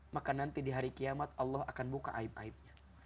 maka nanti di hari kiamat allah akan buka aib aibnya